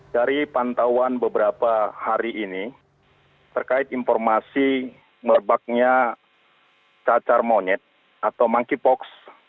dari pantauan beberapa hari ini terkait informasi merebaknya cacar monyet atau monkeypox